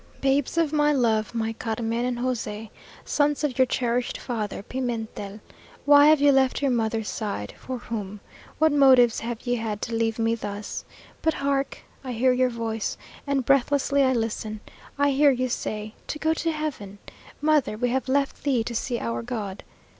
"Babes of my love! my Carmen and José! Sons of your cherished father, Pimentel. Why have you left your mother's side? for whom? What motives have ye had to leave me thus? But hark! I hear your voice and breathlessly I listen. I hear ye say 'To go to heaven! Mother! we have left thee to see our God!'